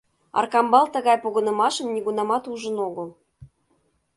Аркамбал тыгай погынымашым нигунамат ужын огыл.